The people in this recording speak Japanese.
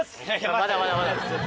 まだまだまだ。